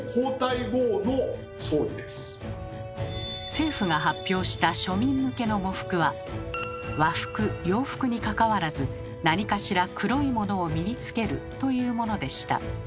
政府が発表した庶民向けの喪服は和服洋服にかかわらず何かしら黒いものを身に着けるというものでした。